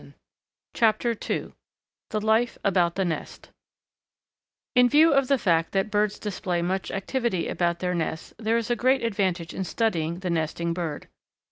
_ CHAPTER II THE LIFE ABOUT THE NEST In view of the fact that birds display much activity about their nests there is a great advantage in studying the nesting bird.